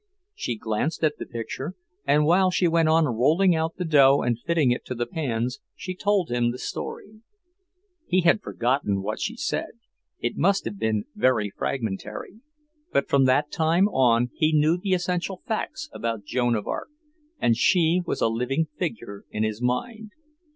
She glanced at the picture, and while she went on rolling out the dough and fitting it to the pans, she told him the story. He had forgotten what she said, it must have been very fragmentary, but from that time on he knew the essential facts about Joan of Arc, and she was a living figure in his mind.